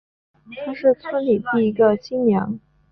她是村里第一个新娘